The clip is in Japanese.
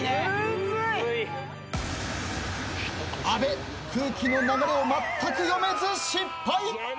阿部空気の流れをまったく読めず失敗。